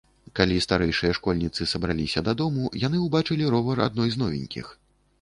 Калі старэйшыя школьніцы сабраліся дадому, яны ўбачылі ровар адной з новенькіх.